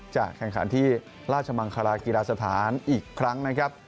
จะแข่งขันที่ราชมังคลากีฬาสถานอีกครั้งนะครับ